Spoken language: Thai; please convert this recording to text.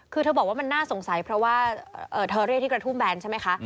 คือเธอบอกว่ามันน่าสงสัยเพราะว่าเธอเรียกที่กระทุ่มแบนใช่ไหมคะ